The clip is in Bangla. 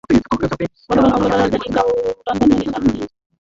গতকাল মঙ্গলবার রাজধানীর কারওয়ান বাজারে সার্ক ফোয়ারা মোড়ে ইফতার সারেন তিনি।